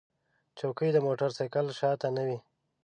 چوکۍ د موټر سایکل شا ته نه وي.